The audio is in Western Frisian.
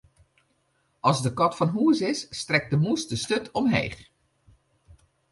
As de kat fan hús is, stekt de mûs de sturt omheech.